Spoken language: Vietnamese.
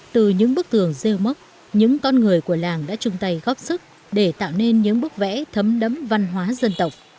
từ những bức tường rêu mốc những con người của làng đã chung tay góp sức để tạo nên những bức vẽ thấm đẫm văn hóa dân tộc